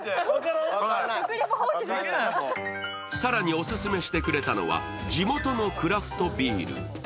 更にオススメしてくれたのは、地元のクラフトビール。